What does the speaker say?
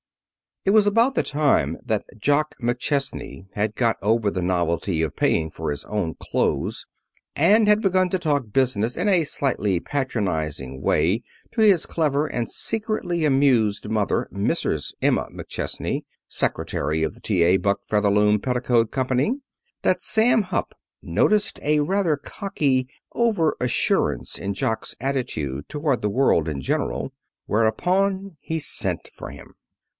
It was about the time that Jock McChesney had got over the novelty of paying for his own clothes, and had begun to talk business in a slightly patronizing way to his clever and secretly amused mother, Mrs. Emma McChesney, secretary of the T.A. Buck Featherloom Petticoat Company, that Sam Hupp noticed a rather cocky over assurance in Jock's attitude toward the world in general. Whereupon he sent for him.